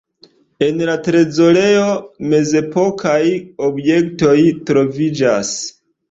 En la trezorejo mezepokaj objektoj troviĝas.